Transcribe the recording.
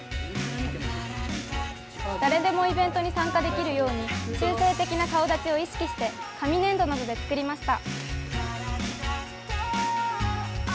誰でもイベントに参加できるように中性的な顔だちを意識して紙粘土などで作りました。